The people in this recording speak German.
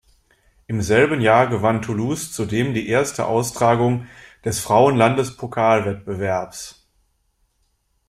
Im selben Jahr gewann Toulouse zudem die erste Austragung des Frauen-Landespokalwettbewerbs.